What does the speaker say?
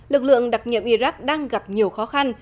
lực lượng đặc nhiệm iraq đang gặp nhiều khó khăn